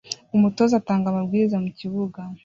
Umutoza atanga amabwiriza mukibuga